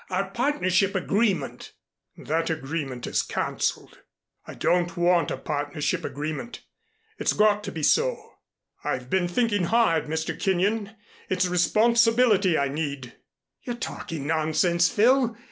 Our partnership agreement " "That agreement is canceled. I don't want a partnership agreement. It's got to be so. I've been thinking hard, Mr. Kenyon. It's responsibility I need " "You're talking nonsense, Phil.